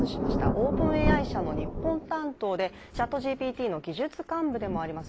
ＯｐｅｎＡＩ社の日本担当でＣｈａｔＧＰＴの技術幹部でもあります